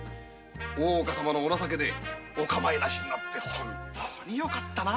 大岡様のお情けでお構いなしになり本当によかったな。